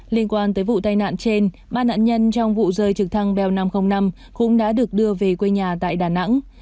liên quan tới vụ tai nạn trên ba nạn nhân trong vụ rơi trực thăng belar năm trăm linh năm cũng đã được đưa về quê nhà tại đà nẵng